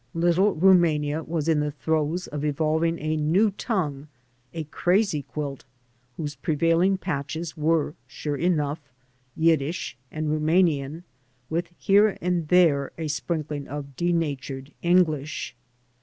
Little Rimiania was in the throes of evolving a new tongue — a crazy quilt whose prevailing patches were, sure enough, Yiddish and Rumanian, with here and there a sprinkling of denatured English.